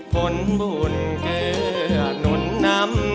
ผลบุญเกลือหนุนน้ำ